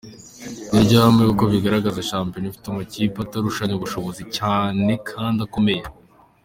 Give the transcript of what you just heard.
Ni ryo hame kuko bigaragaza shampiyona ifite amakipe atarushanya ubushobozi cyane kandi akomeye.